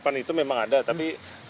tapi kan seperti diketahui bahwa